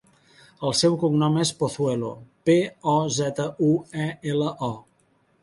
El seu cognom és Pozuelo: pe, o, zeta, u, e, ela, o.